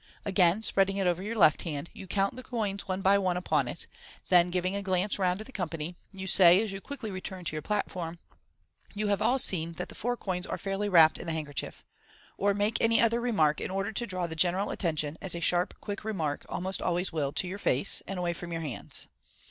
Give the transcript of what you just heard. Again spreading it over your lett hand, you count the coins one by one upon itj then giving a glance round at the company, you say, as you quickly return to your platform, " Yoa have all seen that the four coins are fairly wrapped in the handkerchief," or make any other remark in order to draw the general attention, as a sharp, quick remark almost always will, to your face and away from your hands.